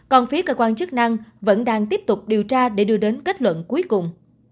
còn phía cơ quan chức năng vẫn đang tiếp tục điều tra để đưa đến kết luận cuối cùng